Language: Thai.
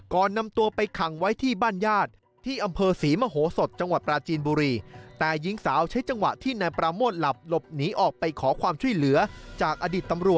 ก่อนนำตัวไปขังไว้ที่บ้านญาติ